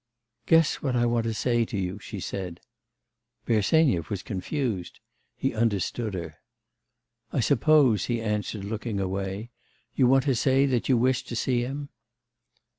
'Guess, what I want to say to you,' she said. Bersenyev was confused. He understood her. 'I suppose,' he answered, looking away, 'you want to say that you wish to see him.